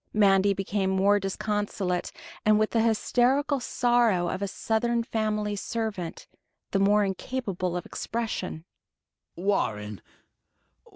Mandy became more disconsolate, and, with the hysterical sorrow of a Southern family servant, the more incapable of expression. "Warren